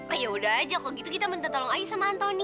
oh yaudah aja kalau gitu kita minta tolong ayo sama antoni